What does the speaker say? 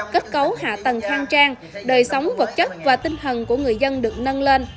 kết cấu hạ tầng khang trang đời sống vật chất và tinh thần của người dân được nâng lên